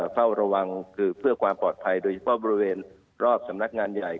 เฝ้าระวังคือเพื่อความปลอดภัยโดยเฉพาะบริเวณรอบสำนักงานใหญ่